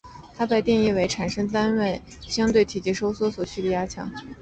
它被定义为产生单位相对体积收缩所需的压强。